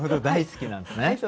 大好きなんですね。